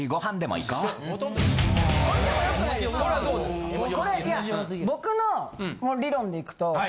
いや僕の理論でいくと。